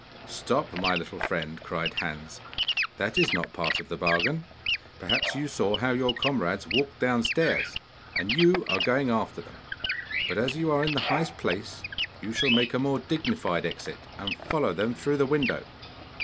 'Stop, my little friend!' cried Hans. 'That is not part of the bargain! Perhaps you saw how your comrades walked down stairs, and you are going after them. But as you are in the highest place you shall make a more dignified exit, and follow them through the window!